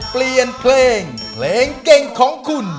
เปลี่ยนเพลงเพลงเก่งของคุณ